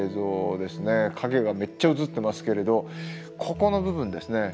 影がめっちゃ映ってますけれどここの部分ですね。